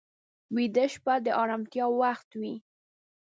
ویده شپه د ارامتیا وخت وي